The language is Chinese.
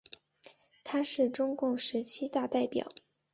他是中共十七大代表。